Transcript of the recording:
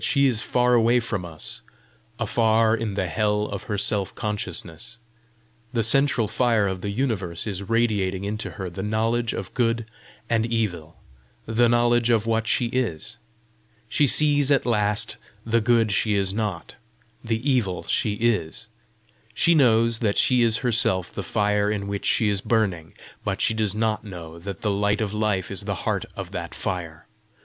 "She is far away from us, afar in the hell of her self consciousness. The central fire of the universe is radiating into her the knowledge of good and evil, the knowledge of what she is. She sees at last the good she is not, the evil she is. She knows that she is herself the fire in which she is burning, but she does not know that the Light of Life is the heart of that fire.